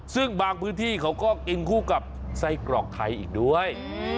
ซึ่งบางพื้นที่เขาก็กินคู่กับไส้กรอกไทยอีกด้วย